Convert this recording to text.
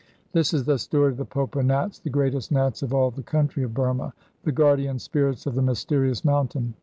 This is the story of the Popa Nats, the greatest Nats of all the country of Burma, the guardian spirits of the mysterious mountain.